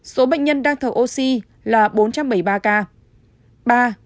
số bệnh nhân đang thở oxy là bốn trăm bảy mươi ba ca